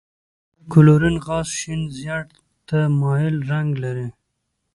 د کلورین غاز شین زیړ ته مایل رنګ لري.